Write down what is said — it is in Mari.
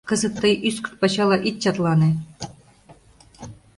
Кызыт тый ӱскырт пачала ит чатлане!